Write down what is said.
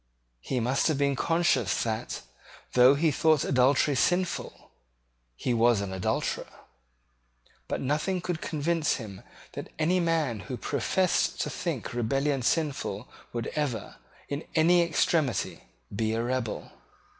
He must have been conscious that, though he thought adultery sinful, he was an adulterer: but nothing could convince him that any man who professed to think rebellion sinful would ever, in any extremity, be a rebel.